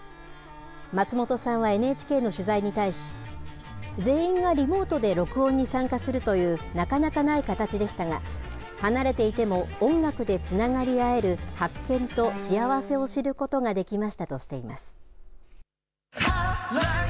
松本さんはＮＨＫの取材に対し、全員がリモートで録音に参加するというなかなかない形でしたが、離れていても音楽でつながり合える発見と幸せを知ることができましたとしています。